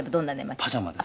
谷村：パジャマです。